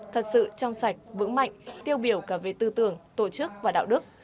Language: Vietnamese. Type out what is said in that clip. thật sự trong sạch vững mạnh tiêu biểu cả về tư tưởng tổ chức và đạo đức